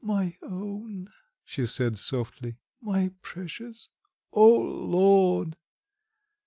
"My own!" she said softly. "My precious! O Lord!"